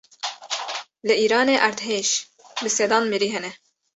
Li îranê erdhej: bi sedan mirî hene